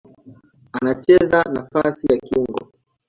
Anacheza nafasi ya kiungo.